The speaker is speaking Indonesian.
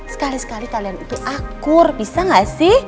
sekali sekali kalian itu akur bisa gak sih